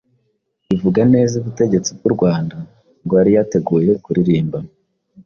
ivuga neza ubutegetsi bw'u Rwanda, ngo yari yateguye kuririmba